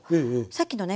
さっきのね